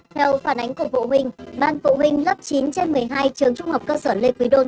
theo phản ánh của phụ huynh ban phụ huynh lớp chín trên một mươi hai trường trung học cơ sở lê quý đôn